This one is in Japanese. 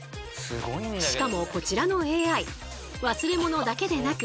しかもこちらのＡＩ忘れ物だけでなく